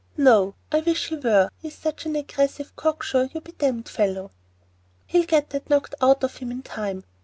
"No; I wish he were. He is such an aggressive, cocksure, you be damned fellow." "He'll get that knocked out of him in time.